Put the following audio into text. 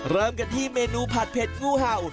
เริ่มกันที่เมนูผัดเผ็ดงูเห่า